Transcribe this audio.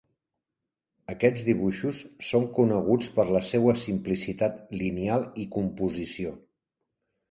Aquests dibuixos són coneguts per la seua simplicitat lineal i composició.